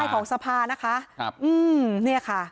ใช่ของสภานะคะนี่ค่ะ